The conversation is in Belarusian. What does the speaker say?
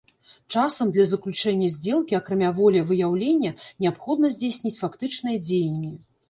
Часам для заключэння здзелкі, акрамя волевыяўлення, неабходна здзейсніць фактычныя дзеянні.